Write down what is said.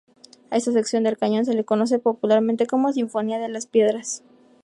A esta sección del cañón se le conoce popularmente como "Sinfonía de las Piedras.